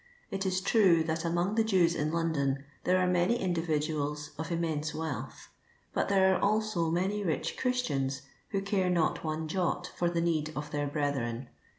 It is true that among the Jews in London there are many individuals of immense wealth ; but there are also many rich Christians who care not one jot fur the need of their brethren.